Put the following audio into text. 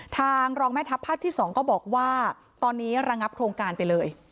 ทางรองแม่ทัพภาคที่๒ก็บอกว่าตอนนี้ระงับโครงการไปเลย